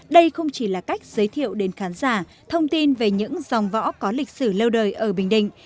đây không chỉ là cách giới thiệu đến khán giả thông tin về những dòng võ có lịch sử lâu đời ở bình định